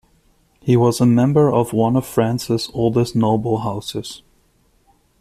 He was a member of one of France's oldest noble houses.